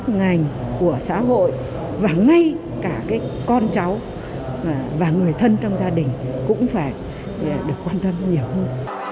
ngành của xã hội và ngay cả con cháu và người thân trong gia đình cũng phải được quan tâm nhiều hơn